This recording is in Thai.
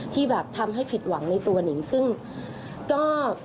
ที่แบบทำให้ผิดหวังในตัวหนิงซึ่งก็